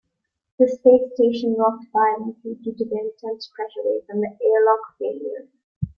The space station rocked violently due to the intense pressure wave from the airlock failure.